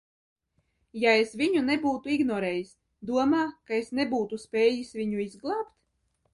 Ja es viņu nebūtu ignorējis, domā, ka es nebūtu spējis viņu izglābt?